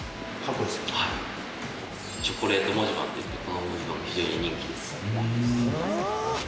チョコレート文字盤といって、この文字盤も非常に人気です。